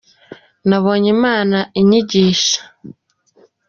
Nabonye imana inyigisha